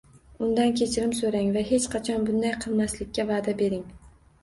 Undan kechirim so‘rang va hech qachon bunday qilmaslikka va’da bering.